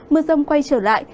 mưa rông quay trở lại